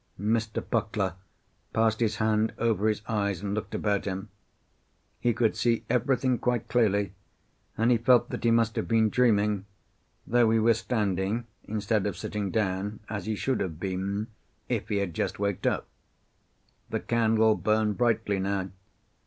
Mr. Puckler passed his hand over his eyes and looked about him. He could see everything quite clearly, and he felt that he must have been dreaming, though he was standing instead of sitting down, as he should have been if he had just waked up. The candle burned brightly now.